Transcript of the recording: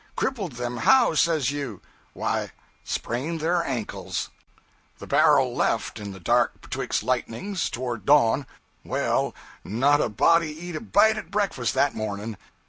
Crippled them how, says you? Why, sprained their ankles! 'The bar'l left in the dark betwixt lightnings, towards dawn. Well, not a body eat a bite at breakfast that morning.